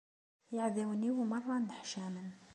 Iɛdawen-iw merra nneḥcamen.